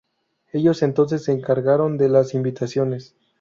Ellos entonces se encargaron de las invitaciones.